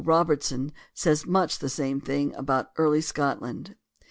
Robertson says much the same thing about early Scotland.